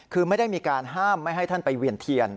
คือไม่ได้มีการห้ามไม่ให้ท่านไปเวียนเทียน